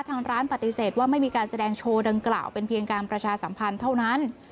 ทางร้านปฏิเสธว่าไม่มีการแสดงโชว์ดังกล่าวเป็นเพียงการประชาสัมพันธ์เท่านั้น